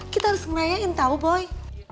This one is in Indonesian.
kita harus ngerayain tau boy